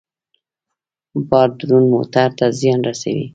بار دروند موټر ته زیان رسوي.